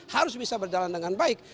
harus bisa berjalan dengan baik